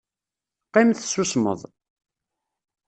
Qqim tessusmeḍ!